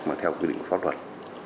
mà theo quy định pháp luật